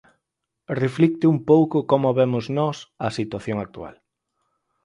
Reflicte un pouco como vemos nós a situación actual.